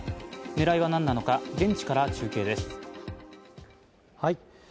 狙いは何なのか、現地から中継です。